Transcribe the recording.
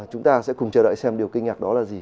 chúng ta sẽ cùng chờ đợi xem điều kinh nhạc đó là gì